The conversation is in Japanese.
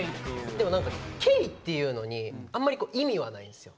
でも何か「ケイ」っていうのにあんまり意味はないんですよ。